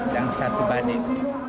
dan satu badik